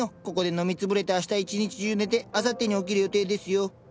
ここで飲みつぶれてあした一日中寝てあさってに起きる予定ですよ。